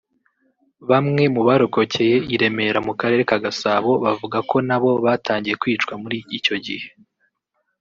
Bamwe mu barokokeye i Remera mu Karere ka Gasabo bavuga ko nabo batangiye kwicwa muri icyo gihe